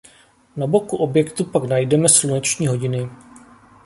Na boku objektu pak najdeme sluneční hodiny.